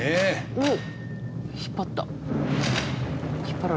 おっ。